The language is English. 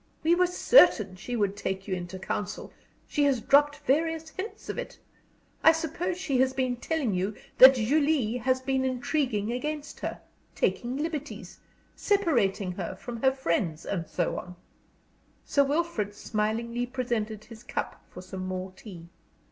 We were certain she would take you into council she has dropped various hints of it. I suppose she has been telling you that Julie has been intriguing against her taking liberties, separating her from her friends, and so on?" Sir Wilfrid smilingly presented his cup for some more tea.